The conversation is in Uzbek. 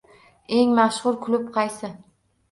Eng mashhur klub qaysi?